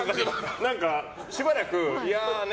何かしばらくいや、ね